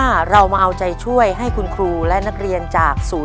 ในแคมเปญพิเศษเกมต่อชีวิตโรงเรียนของหนู